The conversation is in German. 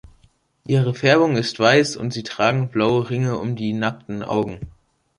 Ihre Färbung ist weiß und sie tragen blaue Ringe um die nackten Augen.